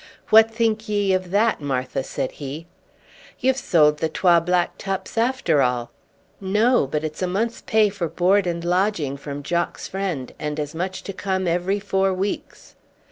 "What think ye of that, Martha?" said he. "You've sold the twa black tups after all." "No, but it's a month's pay for board and lodging from Jock's friend, and as much to come every four weeks."